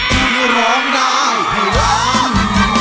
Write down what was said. ที่ร้องได้ให้ร้าง